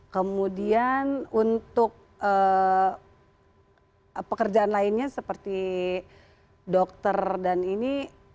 kemudian untuk pekerjaan lainnya seperti dokter dan ini